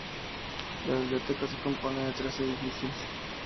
La biblioteca se compone de tres edificios.